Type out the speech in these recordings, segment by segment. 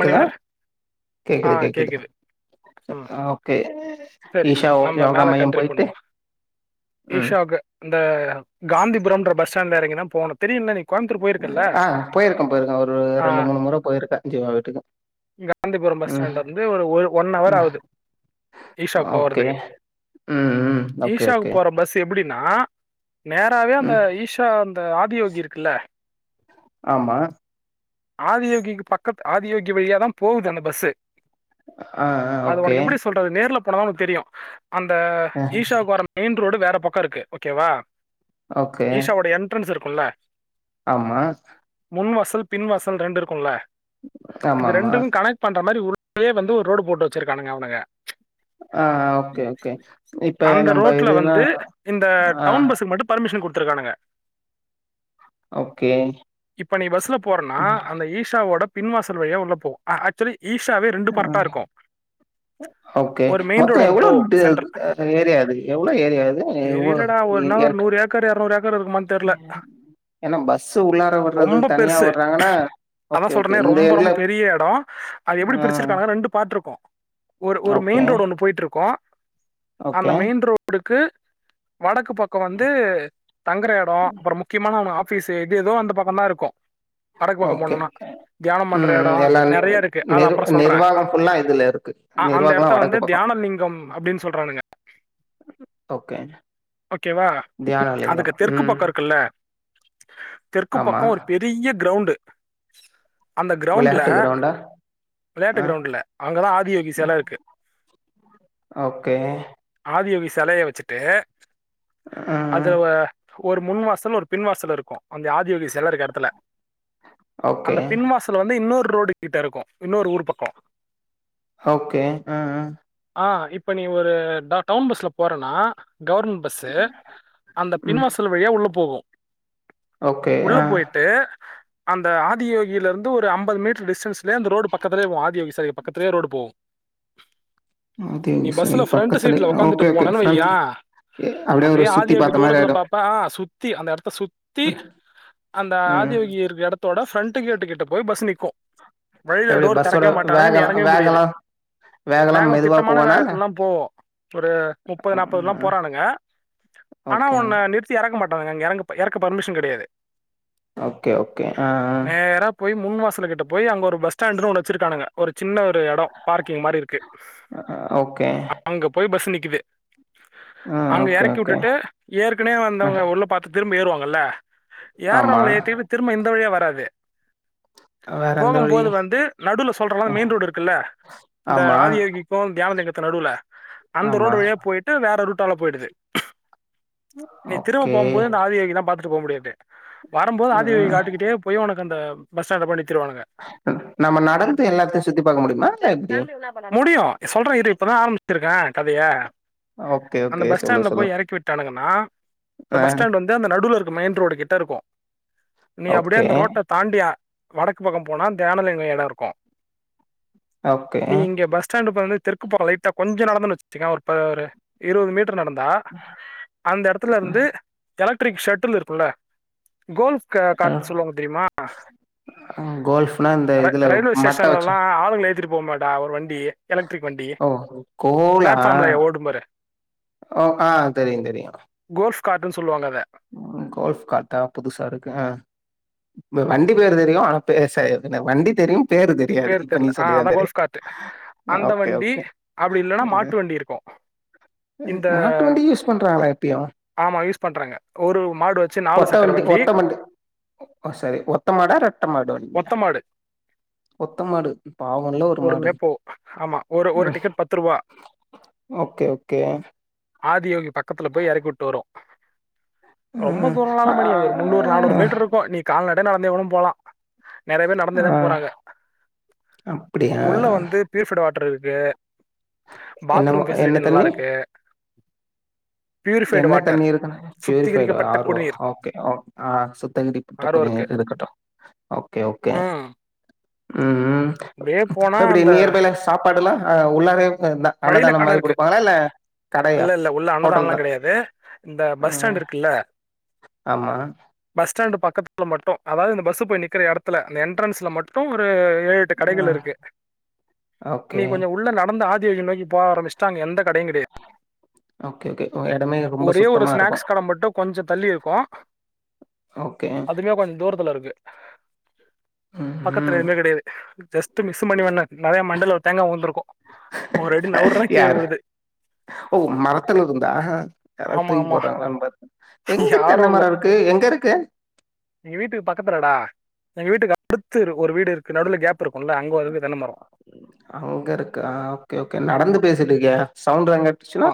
மணி வர கேக்குது கேக்குது ம் ஓகே சரி ஈஷா ஓ நம்ம யோகா மேல மையம் கண்டினியூ போயிட்டு பண்ணுவம் ம் ஈஷியாவுக்கு இந்த காந்திபுரம் என்ற பஸ்ஸ்டாண்ட்ல இறங்கி தான் போனோம் தெரியல நீ கோயம்புத்தூர் போயிருக்கல்ல ஆ போயிருக்கே போயிருக்கே ஒரு ஆ ரெண்டு மூணு முற போயிருக்கே ஜீவா வீட்டுக்கு காந்திபுரம் பஸ் ம் ஸ்டாண்ட்ல வந்து ஒரு ஒன் ஹவர் ம் ஆகுது ஓகே ம் ம் ஓகே ஓகே எப்படின்னா நேராவே அந்த ம் ஈஷா அந்த ஆதியோகி இருக்குல்ல ஆமா ஆதியோகிக்கு பக்கத்து ஆதியோகி வழியாதான் போகுது அந்த பஷ்சு ஆ ஆ அது ஓகே உனக்கு எப்படி சொல்றது நேரில் போன தான் உனக்கு தெரியும் அந்த ஆ ஈஷாவுக்கு வர மெயின் ரோடு வேற பக்கம் இருக்கு ஓகேவா ஓகே ஈஷாவோட என்ட்ரன்ஸ் இருக் குள்ள ஆமா முன் வாசல் பின்வாசல் ரெண்டு இருக்கும்ல இது ஆமாமா ரெண்டு க்கும் கனெக்ட் பண்ற மாதிரி உள் உள்ளயே வந்து ஒரு ரோடு போட்டு வச்சிருக்கானுங்க அவனுங்க ஆ ஓகே ஓகே இப்ப அந்த நம்ப ரோட்ல இதுனா வந்து இந்த ஆ டவுன் பஸ்சுக்கு மட்டும் பர்மிஷன் கொடுத் ருக்கானுங்க ஓகே நா ம். அந்த ஈஷா ஓட பின்வாசல் வழியா உள்ள போகும் ஆக்சுவலி ஈஷாவே ரெண்டு பார்ட்டா ம் இருக்கும் ஓகே ஒரு மெயின் ரோடு மொத்தம் ஒன்று எவ்ளோ போ சென்ட்ரல் ஏரியா அது எவ்வளோ ஏரியா அது தெரியலடா ஒரு நாள் ஒரு நூறு ஏக்கர் இரநூறு ஏக்கர் இருக்குமான்னு தெரியல ஏன்னா பஸ் உள்ளார வர்றது தனியா வர அததான் சொல்றேனே ரொம்ப ரொம்ப பெரிய இடம் அது எப்படி ம் பிரிச்சிருக்காங்க ரெண்டு பார்ட்டு இருக்கும் ஒரு ஒரு ஓகே மெயின் ரோடு் ஒண்ணு போயிட்டு இருக்கும் அந்த ஓகே மெயின் ரோடுக்கு வடக்கு பக்கொ வந்து தங்கர எடொ அப்புறொ முக்கியமான ஒன்னா ஆஃபீஸ்ஸு எது எத்தோ அந்த பக்கொ தா இருக்கு வடக்கு பக்கொ ஓகே போணுனா தியானம் பண்ற ம் எடொ ம் எல்லா நெறைய இருக்கு அது நிர் அப்புறொ சொல்றே நிர்வாகம் ஃபுல்லா இதுல இருக்கு அ அந்த நிர்வாகம்லா எடத்த வந்து வடக்கு பக்கோ தியானலிங்கம் அப்டின்னு சொல்றானுங்க கே ஓகேவா அதுக்கு தெற்கு ம் பக்கோ இருக்குல்ல தெற்கு ஆமா பக்கொ ஒரு பெரிய கிரௌண்ட்டு அந்த கிரவுண்ட்ல விளையாட்டு கிரவுண்டா ஆ வெளையாட்டு கிரவுண்ட்ல அங்கதா ஆதியோகி செல இருக்கு ஓகே ஆதியோகிச் செலைய வெச்சுட்டு அது ம் வ ஒரு முன்வாசல் ஒரு பின்வாசல் இருக்கு அந்த ஆதியோகி செல இருக்க எடத்துல ஓகே அந்த பின்வாசல் வந்து இன்னொரு ரோடு கிட்ட இருக்கு இன்னொரு ஊர் பக்கொ ஓகே அ அ அ இப்ப நீ ஒரு ட டவுன் பஸ்ல போறனா கவர்ம் பஸ்ஸு அந்த ம் பின்வாசல் வழியா உள்ள போகு ஓகே உள்ள ஆ போயிட்டு அந்த ஆதியோகில இருந்து ஒரு அம்பது மீட்டர் டிஸ்டன்ஸ்லயே அந்த ரோடு பக்கத்துலயே போ ஆதியோ செல பக்கத்துலேயே ரோடு போவோ ஆதியோகி செல பக்கத்துலயே உக்காந்துட்டு ஓகே ஓகே போனன்னு ஃப்ரெண்ட் வையேன் ஏ அப்டியே ஒரு சுத்தி பாத்த மாரி ஆயிடு த்தி அந்த எடத்த சுத் தி ம் அந்த ம் ஆதியோகி இருக்க எடத் தொட ஃப்ரண்ட்டு கேட்டு கிட்ட போய் பஸ் நிக்கு வழியில எப்டி டோர் பஸ்ஸோட தெறக்கவே மாட்டானுங்க நீ வேகலா எறங்கவே முடியாது வேகலா வேகலா வேகொ மெதுவா திட்டமான போவனால வேகத்துல்லா போவு ஒரு முப்பது நாப்பது எல்லா போறானுங்க ஆனா ஓகே உன்ன நிறுத்தி எறக்க மாட் டாங்க எறங்க எறக்க பர்மிஷன் கெடையாது ஓகே ஓகே ஹா அ நேரா போய் முன் மாசல் கிட்ட போய் அங்க ஒரு பஸ் ஸ்டான்ட்டுன்னு ஒன்னு வெச்சிருக்கானுங்க ஒரு சின்ன ஒ ரு எடொ பார்க்கிங் மாரி இருக்கு ஆ ஓகே அங்க போய் பஸ் நிக் குது ஆ அங்க ஓகே இறக்கி ஓகே விட்டுட்டு ஏற்கனவே ம் வந்தவங்க உள்ள பார்த்து திரும்ப ஏறுவாங் கல ஆமா ஏரவங்கள ஏதிட்டு திரும்ப இந்த வழியா வர அது வேற எந்த வழி போகும்போது வந்து நடுல சொல்ற மென் ரோடு இருக்குல்ல இந்த ஆமா ஆதியீக்கும் தியான நடுல அந்த ஆமா ரோடு வழிய போயிட் வேற ரூட்டால போயிடுது நீ திரும்ப ஓகே போகும் போது இந்த ஆதி யோகி பாத் த்போ முடியாது வரும்போது ஆதிவழி ம் காட்டுக்கிட்டே போய் உனக் இந்த பஸ்ஸண்டு போய் நிறுத்திவானுங்க நம்ம நடந்து எல்லாத்தையு சுத்தி பாக்க முடியுமா இல்ல எப்டி முடியும் சொல்ற இரு இப்ப தா ஆரம்பிச்சிருக்க கதையா ஓகே அந்த ஓகே பஸ் சொல்லு ஸ்டாண்ட்ல சொல்லு போய் இறக்கி விட்டானங்கன்னா ஆ பஸ் ஸ்டாண்ட் வந்து அந்த நடுல்ல இரு மெயின் ரோடு கிட்ட இருக்கு நீ அப்படியே ஓகே அந்த ரோட்ட தாண்டி வடக்கு பக்கம் போனா தியானலிங்கம் இடம் இருக்கும் ஓகே நீ இங்க பஸ் ஸ்டாண்டு வந்து தெற்கு பக்கோ லைட்டா கொஞ்சம் நடந்த வச்சகோவே பாரே இருவது மீட்ட ர் நடந்தா அந்த இடத்துல இருந்து கலக்ட் ரிக் ஷர்டல் இருக்கும்லா கோல்ஃப் காட அ சொல்லுவாங்க தெரியுமா கோல்ஃப்னா இந்த ர இதுல ரயில்வே மட்ட வச்சு ஸ்டேஷன்லல்லா ஆளுங்கள ஏத்திட் போ மேட்டா ஓர் வ ண்டி எலக்ட்ரிக் வண்டி ஆ பிளாட் ஓ ஆ தெரியும் தெரியும் காட்டுன்னு சொல்வாங்கள்ள கோல்ஃப் காட்டா புதுசா இருக்கு ஆ வண்டி பேர் தெரியும் ஆனா பே ச வண்டி தெரியும், பேரு தெரியாது. பேரு இப்ப நீ தெர்ல ஆ சொல்லி அதா தான் தெரியும். கோல்ஃப் கார்ட் அந்த ஓகே, வண்டி ஓகே. அப்படி இல்லன்னா அ மாட்டு வண்டி இருக்கும் அ இந்த மாட்டு வண்டி யூஸ் பண்றாங்களா இப்பயும்? ஆமா யூஸ் பண்றாங்க ஒரு மாடு வச்சு நாலு ஒத்த சக்கர வண்டி ஒத்த வண்டி ஓ சாரி ஒத்தமாடா ரெட்டமாடு வண்டி ஒத்த மாடு ஒத்த மாடு இப்போ அவங்கள ஒரு மாடு ஆமா ஒரு ஒரு ம் டிக்கெட் பத்து ரூபா ஓகே ஓகே ஆதியோகி பக்கத்துல போய் இறக்கி வுட்டு வரும் ரொம்ப ம். தூரம் நால ஆ மணி அது ஒரு முன்னூறு நானூறு மீட்டர் இருக்கும் நீ கால்நட இல்லேனா [unintelligible] இவனு போலா நெறைய பேர் நடந்துதா ஆ போறாங்க அப்படியா? உள்ள வந்து பீஃப்டுவ பட்டர் இருக்கு என்னமோ பாத்ரூம் என்ன பெசிலிட்டி நல்லா தண்ணி? இருக்கு பியூரிஃபைடு என்ன வாட்டர் தண்ணி இருக்குனே பூரிஃபைடுடா சுத்திகரிக்கப்பட்ட ஆரோவா குடிநீர் ஓகே ஓக் ஆ சுத்தகிரிப்பட்ட ஆரோ இருக்கு குடிநீர் இருக்கட்டு ஓகே ஓகே ம் ம் ம் அப்படியே போனா இப்புடி அந்த நியர்பைல சாப்பாடெல்லா ஆ உள்ளாரே என்ன வழியில அன்னதானோ கடை மாரி இருக்கு குடுப்பாங்களா இல்ல கடையா ஹோட்டல்தான் எது இந்த பஸ் ஸ்டாண்ட் இருக்குல்ல ஆமா பஸ் ஸ்டாண்ட் பக்கத்து ல மட்டு அதாது இந்த பஸ்ஸு போய் நிக்குற எடத்துல அந்த என்ட்ரன்ஸ்ல மட்டும் ஒரு ஏழு எட்டு கடைகள் ம் இருக்கு நீ ஓகே கொஞ்சோ உள்ள நடந்து ஆ [unintelligible] நோக்கி போக ஆம்புச்சுட்டாங்க எந்த கடையு கெடையாது ஓகே ஓகே ஒ எடமே ரொம்ப ஒரே ஒரு சுத்தமா இருக்கு ஸ்நாக்ஸ் கடை மட்டு கொஞ்சோ தள்ளி இருக்கு ஓகே அதுமே கொஞ்ச தூரத்துல இருக்கு ம் பக்கத்துல ம் எதுவுமே கெடையாது ஜஸ்ட்டு மிஸ் மணிவண்ணே நெறயா மண்டைல ஒரு தேங்கா உழுந்துருக்கு யாரு ஓ மரத்துல இருந்தா யாராது ஆமா தூக்கி ஆமா போட்டாங்களான்னு பாத் எங்க யாரு இல்ல தென்னமரோ இருக்கு எங்க இருக்கு எங்க வீட்டுக்கு பக்கத்துலடா எங்க வீட்டுக்கு அடுத்து ஒரு வீடு இருக்கு நடுவுல ஃகேப் அங்க இருக்கு ஆ ஓகே ஓகே நடந்து ஆமா பேசிட்டு இருக்கியா சவுண்டு எல்லா ஆ கேட்டுச்சுனா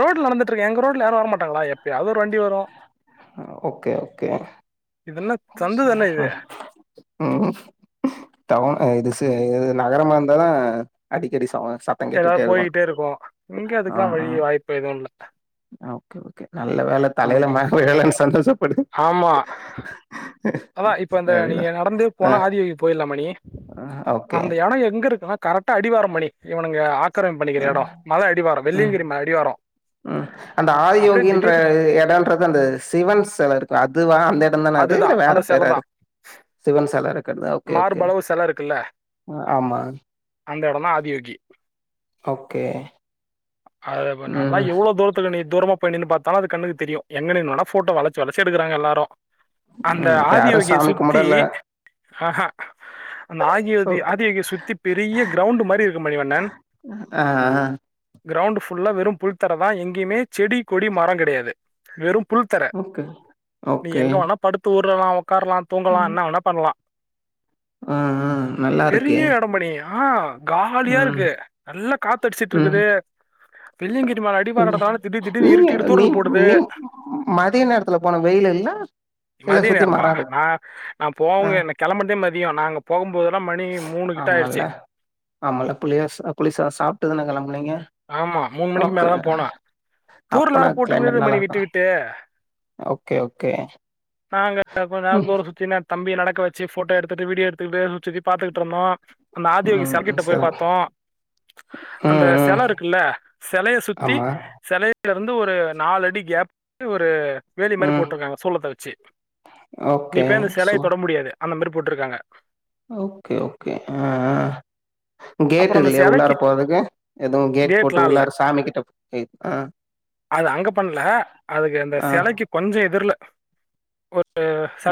ரோட்ல நடந்துட்டு இருக்கே எங்க ரோட்ல யாரும் வர மாட்டாங்கடா எப்பையாவது ஒரு வண்டி வரு ஓகே ஓகே இது என்ன சந்து தானே இது ம் ம் அது செரி இது நகரமா இருந்தாலு அடிக்கடி [unintelligible] எதாவது போயிட்டே இருக்கு இங்க அதுக்கெல்லா ஆமா வழி வாய்ப்பு எதுவு இல்ல ஓகே ஓகே நல்ல வேல தலையில ம் மே இல்லனு சந்தோஷப்படு ஆமா அதா இப்ப இந்த நீங்க நடந்து போனா ஆதி போயிற்லா மணி ஆ ஓகே இப்பதா கரெக்டா அடிவாரோ மணி இவனுங்க ஆத் உக்கரன்ட்பண்ணிக்கிற ம், இடம் மல அடிவார வெள்ளியங்கிரி அடிவார உம் அந்த ஆதியோகின்ற இடன்றது அந்த சிவன் சில இருக்கு அது வாந்தே இட தான அது இல்ல அதுதான் வேற அந்த பெயர சிலை அது தான் சிவன் செல இருக்குறதா ஓகே ஓகே மார்பளவு சிலை இருக்குல்ல ஆமா அந்த இடந்தா ஆதியோகி ஓகே. அது இப்ப நல்லா ம், எவ்ளோ தூரத்துக்கு நீ தூரமா பண்ணி நின்னு பார்த்தாலு அது கண்ணுக்கு தெரியு எங்க நின்னாலு போட்டோ வளைச்சி வளைச்சி எடுக்குறாங்க எல்லாரு அந்த ம். யாரும் ஆதியோகிய சாமி சுத்தி கும்பிடல. ஆ அ அந்த ஆகியோ ஓகே. ஆதியோகிய சுத்தி பெரிய கிரவுண்ட் மாதிரி இருக்கு மணிவண்ணன் ஆ, ஆ. கிரவுண்ட் ஃபுல்லா வெறு புல் தர தா எங்கேயுமே செடி கொடி மரம் கிடையாது வெறு புல் தர ஓகே, நீ ஓகே. எங்க வேணா படுத்து உரு [unintelligible] உட்காரலா தூங்கலா ம். என்ன வேனா பண்ணலா ஆ, ஆ. நல்லா பெரிய இருக்கே. இடம் மணி ஆ காலியா ம், இருக்கு நல்ல காத்து அடிச்சுட்டு ம். இருக்குது பிள்ளிங்கிரி மல அடிவாரட்த் நால தடீர் தடீர்னு நீங்க இருட்டி இடி நீ தூரல் போடுது நீ மதிய நேரத்துல போன வெயில் இல்ல? இல்ல மதிய சுத்தி மரம் ‌நேரம்மா இருக்கா? நா நா போங்க நா கிளம்ன்தே மதிய நா அங்க போ ஒம்போது ஆமால ஆமால புளியஸ் புளிசாத சாப்ட்டு தான கிளம்புனீங்க ஆமா மூணு மணிக்கு மேல தா போன தூரல் வேற அப்பனா போட்டு கிட்டே கிளைமேட் மணி விட்டு நல்லாருக்கும். விட்டு ஓகே ஓகே. நாங்க கொஞ்ச நேர ம் தூர சுத்திட்டே தம் தம்பியா நடக்க வச்சு ஃபோட்டோ எடுத்துட்டு வீடியோ எடுத்துட்டு சுத்தி பார்த்தக்கிட்டு இருந்தோ அந்த ஆதியோகி ம் சர்கிட்ட போய் சரி பாத்தோ அந்த ம் ம் செல இருக் இல்ல சிலைய சுத்தி ஆமா. சிலைய ல இருந்து ஒரு நாலு அடி கேப் ஒரு வேலி மாரி ம் போட்டுருக்காங்க சூளத்த வச்சு நீ ஓகே போய் அந்த சிலைய சு தொட முடியாது அந்த மாரி போட்டுருக்காங்க ஓகே ஓகே ஆ ஆ கேட் அப்புறம் அந்த இல்லியா உள்ளார சிலைக்கு போறதுக்கு எதுவு கேட் போட்டு கேட்லாம் இல்லை உள்ளார சாமிக் கிட்ட ஆ அது அங்க பண்ணல அதுக்கு இந்த ஆ சிலைக்கு கொஞ்ச எதிர்ல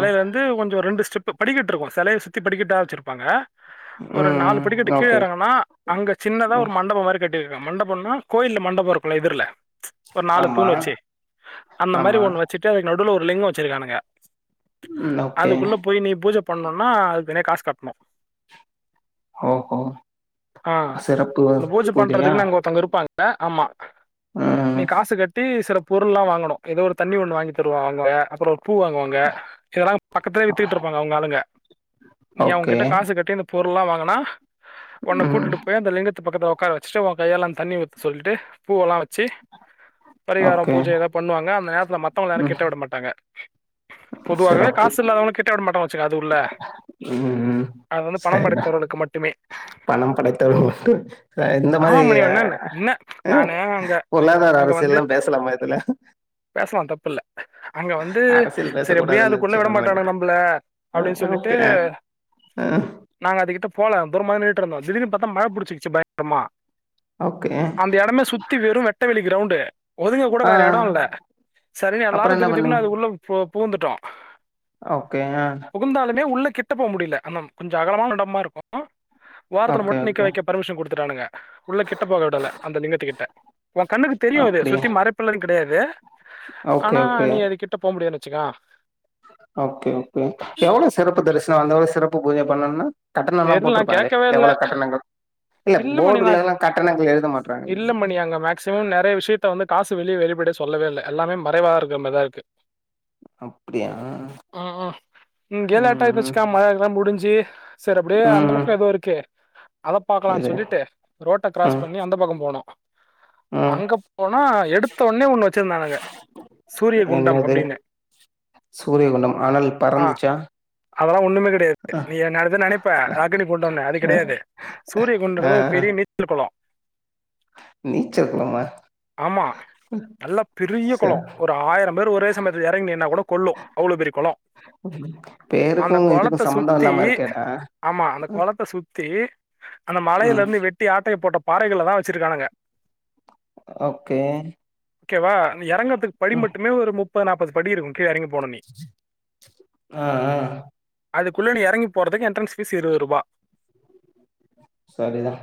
ஆ இருந்து கொஞ்ஜோ ரெண்டு ஸ்டெப் படிக்கட்டு இருக்கு சிலைய சுத்தி படிக்கட்டா வச்சருப்பாங்க ஒரு நாலு ம் படிக்கட்டு ம் கீழே ஓகே. இறங்கன்னா அங்க சின்னதா ஒரு ம் மண்டபம் மாரி கட்ட இருக்க மண்டபம்னா கோயல மண்டபம் இருக்குள்ள எதிர்ல ஒரு நாலு ஆமா தூணு வச்சு அந்த மாரி ஆமா. ஒண்ணு வச்சுட்டு அதுக்கு நடுவுல ஒரு லிங்கம் வச்சிருக்கானுங்க ம் ஓகே. அதுக்குள்ள போய் நீ பூஜ பண்ணும்னா அதுக்கு தனியா காசு கட்டணும் ஓஹோ ஆ. சிறப்பு அந்த பூஜை பூஜயா பண்றதுக்குன்னு அங்க ஒருத்தவங்க இருப்பாங்க. ஆமா நீ காசு கட்டி சிற பொருள்லாம் வாங்கணும் ஏதோ ஒரு தண்ணி ஒன்னு வாங்கி தருவாங்க அப்றோ பூ வாங்குவாங்க இதெல்லா பக்கத்திலே வித்துகுட்டு இருப்பாங்க அவுங்க ஆளுங்க நீங்க ஓகே. அவுங்ககிட்ட காசு கட்டி அந்த பொ ருள் எல்லா வாங்குனா உன்ன ம் கூட்டிட்டு போய் அந்த லிங்கத்து பக்கத்துல உக்கார வச்சுட்டு கையெல்லாம் தண்ணி ஊத்த சொல்லிட்டு பூவெல்லாம் வச்சு பரிகாரம் ஓகே. பூஜ ஏதா பண்ணுவாங்க அந்த நேரம் மத்தவங்கள ம். யாரும் கிட்ட விட மாட்டாங்க பொதுவாவே சிறப்பு காசு இல்லாதவங்கள கிட்ட விட மாட்டாங்க சேரி அது உள்ள ம் ம் அது வந்து பணம் சரிதான் படைத்தவர்களுக்கு மட்டுமே பணம் படைத்தவர் மட்டும் ஆ ஆமா இந்தமாரி மணி என்ன என்ன ஆ நானு அங்க பொல்லாத அங்க வந்து பேசலாம் தப்புல்ல அங்க வந்து அரசியல் செரி எப்டியோ பேசக்கூடாதுன்னு அதுக்குள்ள இருந்துச்சு அதனால விடமாட்டானுங்க கேட்டேன். நம்பள அப்டின்னு அ சொல்லிட்டு ஓகே. அ அ து நாங்க அதுக்கிட்ட போல தூரமாதா நின்னுட்டு இருந்தோம் திடீர்ன்னு பாத்தா மழ புடிச்சிக்கிச்சு பயங்கரமா ஓகே. அந்த எடமே சுத்தி வெறும் வெட் வெட்டவெளி கிரௌண்டு் ஒதுங்க கூட ஆ வேற எடோ இல்ல செரின்னு எல்லாரு அப்புறம் என்ன திபு திபுன்னு பண்ணீங்க? அது உள்ள பு புகுந்துட்டோம் ஓகே ஆ புகுந்தாலுமே உள்ள கிட்ட போ முடியில அந்த கொஞ்ச அகலமான எடமா இருக்கும் ஓரத்துல ஓகே, மட்டு நிக்க ஓகே. வக்க பர்மிஷன் குடுத்துட்டானுங்க உள்ள கிட்ட போக விடல அந்த லிங்கத்துக்கிட்ட ஒன் கண்ணுக்கு தெரியும் அது அப்படியா? சுத்தி மறைப்பு மேரி கெடையாது வே ஓகே, ஆனா ஓகே. நீ அதுக்கிட்ட போ முடியாது ச்சிகா ஓகே ஓகே எவ்வளோ சிறப்பு தரிஸ்னோ அந்தளவு சிறப் பு பூஜ பண்ணுன்னா தெர்ல் நா கேக்கவே இல்ல இல்ல மணி நா போர்டுலலாம் கட்டணங்கள் எழுத மாட்றாங்க. இல்ல மணி அங்க மேக்சிமம் நெறைய விஷ்யத்த வந்து காசு வெளி வெளிப்பட சொல்லவே இல்ல எல்லாமே மறைவா இருக்க மார்தா இருக்கு அப்படியா? ஆ ஆ இங்கே ம், ம். லேட்டாயிடுச்சிக்கா மழயெல்லா முடிஞ்சி செர் அப்டியே அந்த ம். பக்கோ எதோ இருக்கே அத பாக்கலான் எது? சொல்லிட்டு ரோட்ட ம். க்ராஸ் பண்ணி அந்த பக்கோ போனோ ம் அங்க போனா எடுத்தவொன்னே ஒண்ணு வச்சிருந்தானுங்க சூரிய குண்டம் என்னது அப்டின்னு சூரியகுண்டம் அனல் ஆ பறந்துச்சா அதெல்லா ஒண்ணுமே கெடயாது அ நீ [unintelligible] நெனைப்ப அக்னி குண்டோன்னு அது அ கெடையாது சூரிய ஆ குண்டோ [unintelligible] பெரிய நீச்சலு கொளோ அ நீச்சல் குளமா ஆமா நல்லா பெரிய ச கொளோ ஒரு ஆயிரம் பேரு ஒரே சமயத்ல எறங் நின்னா கூட கொள்ளு அவ்ளோ பெரிய கொளோ பேருக்கு அந்த இதுக்கு கொளத்த சம்பந்தோ சுத்தி இல்லாம இருக்கேடா ஆமா அந்த கொளத்த சுத்தி அந்த மலையில ம் இருந்து வெட்டி ஆட்டைய போட்ட பாறைகள்லதா வச்சிருக்கானுங்க ஓக்கே ஓகேவா நீ எறங்க படி மட்டுமே ஒரு முப் பது நாப்பது படி இருக்கு அ அ அது குள்ள நீ எறங்கி போறதுக் எ ன்ட்ரென்ஸ் ஃபீஸ் இருவருபா சரிதா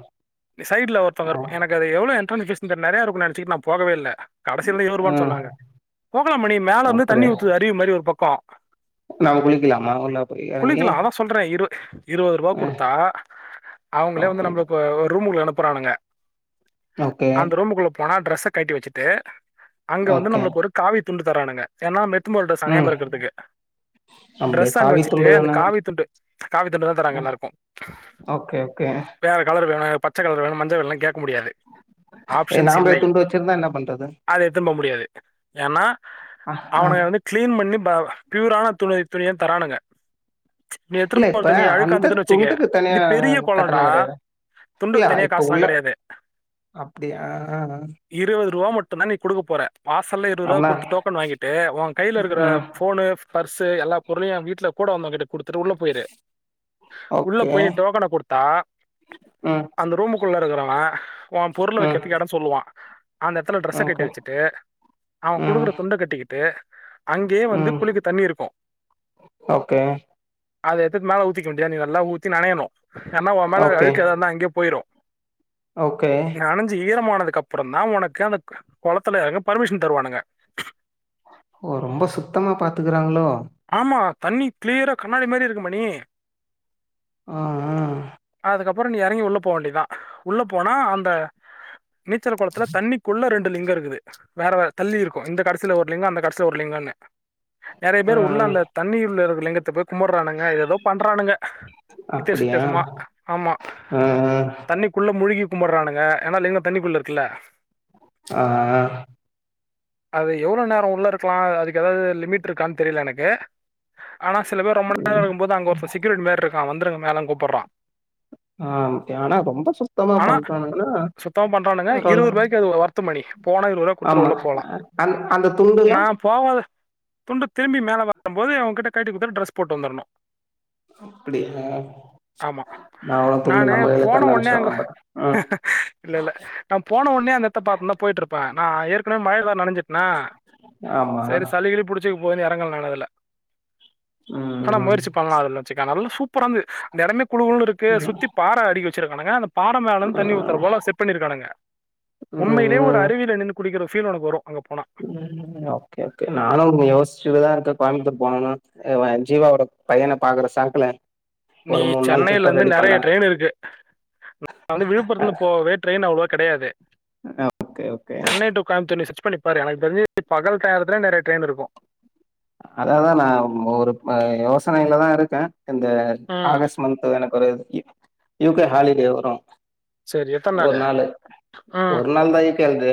சைட்ல ஒருத்தவ்ங்க ஆ இருப்ப எனக்கு அது எவ்ளோ என்ட்ரென்ஸ் ஃபீஸ் இந்த நெறைய இருக்கு நெனச்சிட் நா போகவே இல்ல கடசியில இருவருபானு ம் சொன்னாங்க கோகலமணி மேல இருந்து தண்ணி ஊத்து அருவி மாரி ஒரு பக்கோ நங்க குளிக்கலாமா உள்ள போய் எறங்கி இருவதுருபா ஆ குடுத்தா அவுங்களே வந்து ஓகே நம்ப்ள இப்ப ஒரு ரூம் உள்ள அனு ப்புறானுங்க ஓகே அந்த ரூமுக்குள்ள போனா ட்ரெஸ்ஸ கய்ட்டி வெச்சிட்டு அங்க வந்து ஓகே நம்ளுக்கு ஒரு காவி துண்டு தரானுங்க ஏன்னா மெ த்துன் போற ட்ரெஸ் நெனயாம ம் இருக்குற்துக்கு அப்படியே ட்ரெஸ்ஸ அங்க காவி வெச்சுட்டு துண்டு அந்த தான காவி துண்டு காவி துண்டு தா அ தராங்க எல்லாருக்கு ஓகே ஓகே வேறக்கல வேணும் பச்சைக்கலர் வேணும் மஞ்சள் கலர் வேணும் கேட் முடியாது ஏ ஆப்ஷன்ஸ் நாம்பளே இல்லை துண்டு வச்சிருந்தா என்ன பண்றது அதத எடுத்தும் போக முடியாது ஏன்னா அ ஆ அவனுக வந்து கிளீன் பண்ணி பியூரான துணி துணிய தரானுங்க நீ இல்ல எடுத்துட்டு போற இப்ப தண்ணி அழுக்கா அந்த இருந்ததுன்னு வச்சுக்க துண்டுக்கு தனியா இது பெரிய குளம்டா கட்டணம் கிடையாது துண்டுக்கு இல்ல தனியா இப்ப உள்ள காசுலாம் கிடையாது அப்படியாஹ் த்தா நீ கொடுக்க போற பாஸெல்லாம் இருபதுரூபா கொடுத்து டோக்கன் வாங்கிட்டு உன் கையில இருக்கிற ம் ஃபோனு பர்ஸு எல்லா பொருளையும் என் வீட்டுல கூட வங்ககிடட்டு [unintelligible] உள்ள ஓகே போய் டோக்கனை கொடுத்தா ம் அந்த ரூம் க்குள்ள இருக்கிறவங்க ஓம் பொருளை ம் வைக்கிறதுக்கு இடம் சொல்லுவான் அந்த இடத்துல ட்ரெஸ்ஸை ஓகே கழட்டி வச்சுட்டு அவன் ம் கொடுக்குற துண்டெ கட்டிட்டு கட்டிக்கிட்டு அங்கேயே வந்து ம் குளிக்க தண்ணி இருக்கும் ஓகே அது மேல ஊத்திக்க வேண்டியது நல்லா ஊத்தி நனையணும் ஏன்னா உன் மேல ஓகே அழுக்கு ஏதா இருந்தா அங்கயே போயிரும் ஓகே நனெஞ்சு ஈரமான அதுக்கு அப்புறம் தான் உனக்கு அந்த குளத்துல இறங்க பர்மிஷன் தருவானுங்க ஓ ரொம்ப சுத்தமா பாத்துக்கறாங்களோ ஆமா தண்ணி கிளியரா கண்ணாடி மாதிரி இருக்கு மணி ஆஹ் ஆஹ் அதுக்கப்புறம் நீ இறங்கி உள்ள போகவேண்டிதுதான் உள்ளே போனா அந்த நீச்சல் குளத்துல தண்ணிக்குள்ள ரெண் லிங்க இருக்குது வேற வேற தள்ளி இருக்கும் இந்த கடைசியல ஒரு லிங்கம் அந்த கடைசில ஒரு லிங்கம்னு நிறைய பேரு ஆ உள்ளேஅந்த தண்ணியில் உள்ள லிங்கத் [unintelligible] கும்பிடுறானுங்க ஏதே ஏதோ பண்றானுங்க வித்தியாச அப்டியா வித்தியாசமா ஆமா ஆ தண்ணிக்குள்ளே முழுகி கும்பிடுறானுங்க ஏனா லிங்கம்தண்ணிக்குள்ள இருக்குல்ல ஆஹ் ஆஹ் அது எவ்வளவு நேரம் உள்ளே இருக்கலாம் அதுக்கு ஏதாவது லிமிட் இருக்கான்னு தெரியல எனக்கு ஏ ஆனா சில பேர் ரொம்ப நாள் ம். இருக்கும் போது அங்க ஒருத்தன் செக்யூரிட்டி மாதி இருக்கு ஆஹ் வந்துருங்க மேல கூப்பிடறான் ஆ ஏனா ரொம்ப சுத்தமா ஆனா பண்றாங்கல பரவால பத்துமணி ஆமா அந்த அந்த துண்டுல்லா நான் போகாத துண்டு திரும்பி மேல வ ங்க போயி அவுங்க கிட்ட கழட்டி குடுத்தா ட்ரஸ் போட்டு வந்துடணு அப்டியா ஆமா நா அவ்ளோ துண்டு நானு நம்ம கைல போன தந்த ஒடனே அங்க அனுப்ச்சிருவாங்க பாரு ம் இல்ல இல்ல நான் போன ஒடனே அந்த எடத்தை பாக்கனு போயிட்டு இருப்பே ஆ ஏற்கனவே மழை தான் நெனைஞ்சு னா ஆமா செரி சளி கிளி புடிச்சிக்க போ போயி எரங்கறனாறதல்ல ஆனா ம் ம் முயற்சி பண்லாம் அதுல வச்சுக்க நல்ல சூ சூப்பரா இருந்தது அந்த எடமே குளு குளுன்னு இருக்கு ம் சுத்தி பாறை அடிக்க வச்சிருக்கானங்க அ பாற மேல இந்து தண்ணி ஊத்துற போல செட் பண்ணிருக்கானங்க உண்மையிலே ம் ஒரு ம். அருவியில நின்னு குளிக்குற ஃபீல் உனக்கு வரு ம் ஓகே ஓகே நானு ஒன்னு யோஸ்சிட்டுதா இருக்க கோயம்புத்தூர் போனனா ஜீவாவோட பையனே பாக்குற சாக்குல நீ ஒரு மூணு நாள் சென்னையில ட்ரிப்ப இருந்து ரெடி நெறைய பண்ணலான்னு ட்ரெயின் இருக்கு நா வந்து அ விழுப்புரத்துல போவே ட்ரெயின் அவ்ளவா கெடையாது okay okay Chennai to Coimbatore நீ சேச் கண் பண்ணிப்பாரு ஆனா எனக்கு தெரிஞ்சு பகல் நேரத்துல நெறைய ட்ரெயின் இருக்கு அதா அதா நா ஒரு யோசனையிலதா இருக்கே அந்த ம் ஆகஸ்ட் மந்த் தான ஒரு யூகே ஹாலிடே வரு சரி எத்தன ஒரு நாளு ம் ஒரு நாள் தா க் கேல்து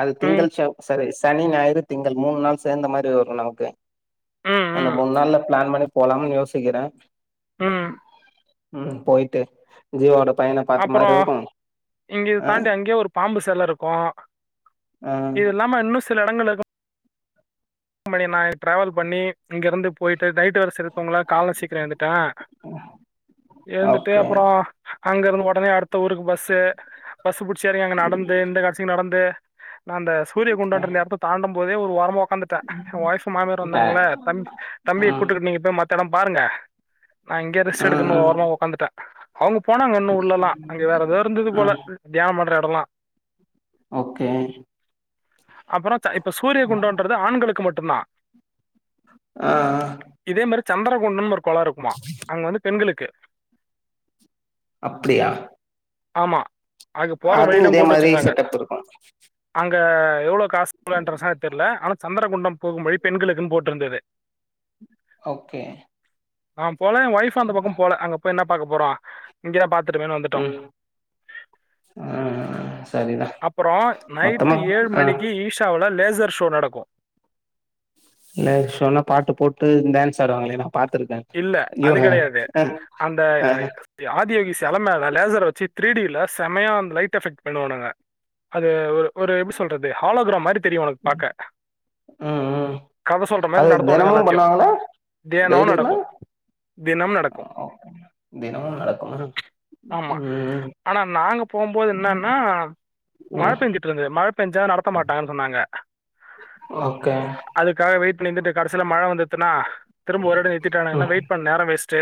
அது ம் திங்கள் செவ் சாரிஸ் சனி ஞாயிறு திங்கள் மூணு நாள் சேந்த மாரி வரும் நமக்கு ம் அந்த ம் மூணு நாள்ல பிளான் பண்ணி போலாம்னு யோசிக்கறே ம் ம் போயிட்டு ஜீவாவோட பையன பாத்த அப்பறோ மாரி இருக்கு இங்கே அ தாண்டி அங்கேயே ஒரு பாம்பு செல இருக்கு இது அ இல்லாம இன்னுஸ் சில இடங்கள் இருக்கு ம் பன்னிருந்தாங்க ட்ரேவல் பண்ணி இங்கிருந்து போயிட் ட்டு டைட்டு வரை செருத்தவங்கள கால்ல சீக்கிர எழுந்துட்டே எழுந்துட்டு ஓகே அப்பறோ அங்க இருந்து ஒடனே அடுத்த ஊருக்கு பஸ்சு பஸ்சு பிடிச்சு எறங்கி அங்க நடந்து இந்த கடசிக்கு நடந்து நா அந்த சூரிய அ. குண்டோன்ற அந்த எடத்த தாண்டம் போதே ஒரு ஓரமா ஒக்காந் எ ஒய்ஃப் மாமியார் ட்டே வந்தாங்கல்ல தம் தம்பிய ம் கூட்டுகிட் நீங்க போய் மத் தடம் பாருங்க நா இங்கேயே ரெஸ்ட் எடுக்கணு ம் ஓரமா ஒக்காந்துட்ட அவங் போனாங்க இன்னு உள்ள எல்லா ம் அங்கே வேற எதோ இருந்தது போல ம் தியானம் பண்ற சொன்னா ஓகே அப்றோ ச்ச இப்ப சூரியகுண்டோன்றது ஆண்களுக் கு மட்டுந்தா ஆ ஆ சந்திரகுண்டம் ஒரு கொளோ இருக்குமா அங்க வந்து பெண்களுக்கு அப்டியா ஆமா அங்க போற அதுவு வழியெல்லாம் இதே மாரி செட்டப் இருக்கு க எவ்ளோவ் காஸ் [inaudible] தெர்ல ஆனா சந்திரகுண்டம் போகும்வழி பெண்களுக்குன் போட்ருந்தது ஓகே நா போல எ ஒய்ஃப் அந்த பக்கோ போல அங்க போய் என்னப் பாக்க போறோ இங்கே பாத் துட்டமேனு வந்துட்டோ ம் ஆ சரிதா அப்றோ நைட்டு மொத்தமா ஏழு ஆ மணிக்கு ஈஷாவுல லேஸ் சர் ஷோ நடக்கு லேட் ஷோன்னா பாட்டு போட்டு டேன்ஸ் ஆடுவாங்களே அதா இல்ல அது கெடையாது அந்த ஆ ஆதியோகி செல மேல லேசர வச்சு த்ரீ டி ல செமயா அந்த லைட் எஃபெக்ட் பண்ணுவானுக அது ஒரு ஒரு எப்டி சொல்றது ஹாலோகிராம் மாரி தெரியு ஒனக் பாக்க ம் ம் கத சொல்ற அது மாரி நடத்துவானுக தினமும் எல்லாத்தியு பண்ணுவாங்களா தியானோ டெய்லியுமா நடக்கு தினம் நடக்கு தினமும் நடக்குமா ஆமா ம் ஆனா நாங்க போம்போது என்னன்னா மழ ம் பேஞ்சிட்ருந்து மழ பேஞ்சா நடத்த மாட்டே சொன்னாங்க ஓகே அதுக்காக வெயிட் பண்ணி இருந்துட்டு கடைசில மழ வந்துட்துன்னா திரும்ப ஒரு டே ஆனா என்ன ம் வெயிட் பண்ண நேர வேஸ்ட்டு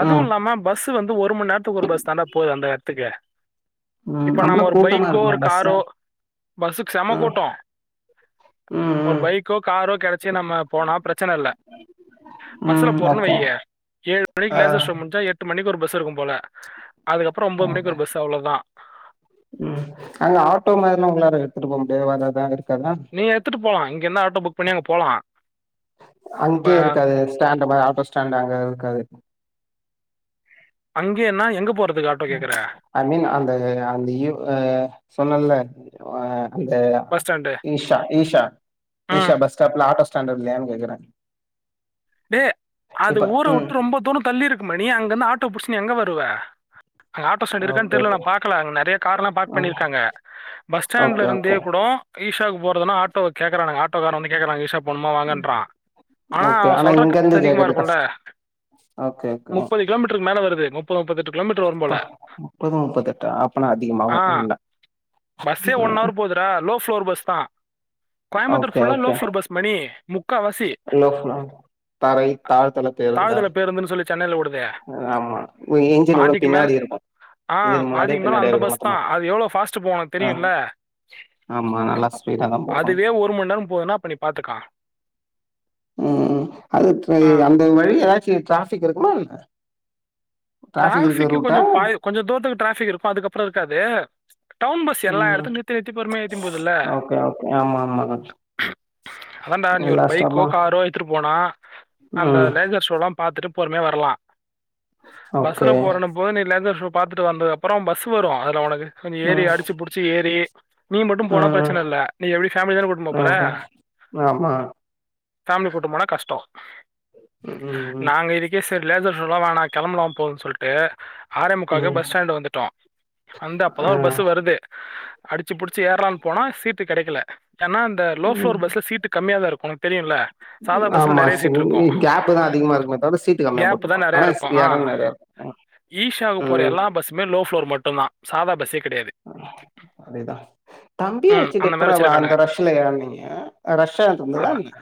அதுவு ம் இல்லாம பஸ் ஸ்சு வந்து ஒரு மண்நேரத்துக்கு ஒரு பஸ் தாண்டா போவுது அந்த எடத்துக்கு ம் இப்போ நம்ப ரொம்ப ஒரு கூட்டமா பைக்கோ இருக்குமே ஒரு பஸ்ல காரோ பஸ்ஸுக்கு செம ம் கூட்டோ ஒரு ம் பைக்கோ காரோ கெடச் ச்சி நம்ப போனா ப்ரச்சன இல்ல ம் பஸ்ல ம் போறோன்னு ஓகே வய்யி ஏழு ஆ மணிக்கு லேசர் ஷோ முடிஞ்சா எட்டு மணிக்கு ஒரு பஸ் இருக்கு போல அதுக்கப்றோ ஒம்போது மணிக்கு ஒரு பஸ்ஸு அவ்ளோதா ம் அங்க ஆட்டோ மாரிலா உள்ளாரா எடுத்துட்டு போவ முடியாதா [unintelligible] நீங்க எத்துட்டு போலா இங்கனா ஆட்டோ புக் பண்ணி அங்க போலா அங்கயே இருக்காது ஸ்டாண்டு மார் ஆட்டோ ஸ்டாண்ட்டு அங்க இருக்காது அங்கேயேன்னா எங்க போறத் ஐ மீன் அந்த அந்த ஈவ் அ சொன்னல்ல வா அந்த பஸ் ஸ்டாண்டு. ஈஷா ஈஷா ம். ஈஷா பஸ் ஸ்டாப்ல ஆட்டோ ஸ்டாண்டு இல்லயான்னு கேக்குறே டே அது இப்ப ம் ஊரவுட்டு ரொம்ப தூரோ தள்ளிருக்கு மணி அங்கிருந்து ஆட்டோ புடிச் நீ எங்க வருவ அங்க ஆட்டோஸ்டேண்ட் ஓகே இருக்கான்தெரில நா ஓகே பாக்கல அங்க நெறையா கார்லா பார்க் ம் பண்ணிருக்காங்க பஸ்ஸ்டாண்ட்ல ஓகே இருந்தே ஓகே கூட ஈஷாகு போறதுனா ஆட்டோ கேக்குறானுங்க ஆட்டோக்காரே வந்து கேக்றாங்க இஷா சும்மா வாங்கன்றா ஆனா ஓகே சொல்ற இங்க காசு இருந்து கேக்குறது அதிகமாருக்குல கஷ்டோ ஓகே ஓகே முப்பது கிலோமீட்ருக்கு மேல வரு முப்பது முப்பத்தெட்டு கிலோமீட்டர் வரும் போல அப்பா முப்பது முப்பத்தெட்டா அப்பனா அதிகமாகு ஆ வேண்டா பஸ்சே ஒன்னவர் போதுறா லோஃப்ளோர் பஸ் சா கோயம்புத்தூர் ஓகே ஃபுல்லா ஓகே லோஃபோர் பஸ் மணி முக்கா வாசி லோ ஃப்ளோர் தரை தாழ்தல பேருந்தா சென்னைல ஓடுதே ஆமா இன்ஜினோட பாதிக்கு மேல பின்னாடி இருக்கு ஆஹ் இன்ஜின் முன்னாடியே பாதிக்கு மேல பின்னாடியே அந்த இருக்கு பஸ்தா மொத்தமா அது எவ்ளோ ஃபாஸ்ட்டு போவு ஒனக்கு ஆ தெரியுல ஆமா நல்லா ஸ்பீடா தா போகு அதுவே ஒரு மண் நேரோ போதுனா அப்ப நீ பாத்துக்க ம் அது ஆ [unintelligible] அந்த வழி எதாச்சு ட்ராஃபிக் இருக்குமா என்ன டிராஃபிக் இருக்க ட்ராஃபிக்கு ரூட்டா கொஞ்ஜோ பாயி கொஞ்ஜ தூரத்துல ட்ராஃபிக் இருக்கு அதுக்கப்றோ இருக்காது டவுன் பஸ் எல்லா ம் எடத்து நிர்த்தி நிர்த்தி பொருமையா ஏத்தின் போதுல்ல ஓகே ஓகே ஆமா ஆமா அதான்டா நீ ஒரு எல்லா பைக்கோ ஸ்டாப்பு காரோ எத்துட்டு போனா அந்த ம் லேசர் சோலாம் பாத்துட்டு பொருமயா வர்லா பஸ்ல ஓகே போறன போ நீ லெதர் ஷோ பாத்துட்டு வந்தது அப்பற பஸ் வரு அதுல உனக்கு அதுல ஏறி ம் அடிச்சு புடிச்சி ஏறி நீ மட்டும் போனா ம் பிரச்சன இல்ல நீ எப்டி ஃபேமிலிதான கூட்னு போ போற ஓகே ஆமா ஃபேமிலி கூட்டு போனா கஷ்ட ம் ம் லேச சொல்ல வேனா கெளம்பலா போன் சொல்ட்டு ஆறேமுக்காகே ம் பஸ் ஸ்டாண்டு வந்துட்டோ வந்து அப்பதா ஆ ஒரு பஸ் வருது ச்சிபுடிச்சு ஏறலான் போனா சீட்டு கெடைக்கல ஏனா இந்த லோ ம் ஃப்ளோர் பஸ்ல சீட்டு கம்மியாதா இருக்கு உனக் தெரியுல்ல சாதா பஸ்ல ஆமா நெறைய சீட் இருக்கு செரி கேப்புதா அதிகமா இருக்குமே தவுஎர சீட்டு கம்மியா போட்ருப்பா ஆனா எட நெறையாருக் ஈஷாக்கு போற எல்லா பஸ்ஸுமே லு லோ ப்ளோர் மட்டும் தான் சாதா பஸ்சே அ அதேதா தம்பியே ம் வெச்சுட்டு அந்த எப்புற மாரி வ வச்சிருக்கானுங்க அந்த ரஷ்ல ஏறுனீங்க அ ரஷ்ஷா தொங்குதா அதா நீங்க